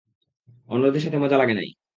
অন্যদের সাথে মজা লাগে নাই।